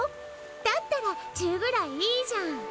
だったらチュぐらいいいじゃん！